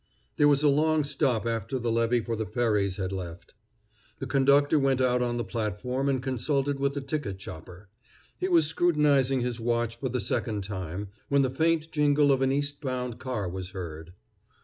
There was a long stop after the levy for the ferries had left. The conductor went out on the platform and consulted with the ticket chopper. He was scrutinizing his watch for the second time, when the faint jingle of an east bound car was heard.